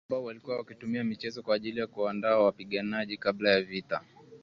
ambao walikuwa wakitumia michezo kwa ajili ya kuwaandaa wapiganaji kabla ya vita